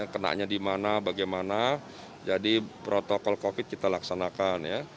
kenanya di mana bagaimana jadi protokol covid kita laksanakan ya